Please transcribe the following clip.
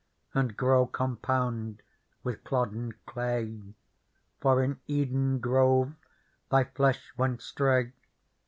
And grow compound with clod and clay ; For in Eden grove thy flesh went stray.